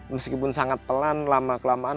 meskipun sangat pelan lama kelamaan